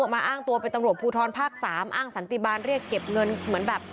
มาอ้างตัวเป็นตำรวจภูทรภาค๓อ้างสันติบาลเรียกเก็บเงินเหมือนแบบ